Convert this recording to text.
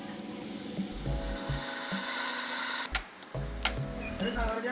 sanggup berlebihan disekitar dua puluh tiga lintas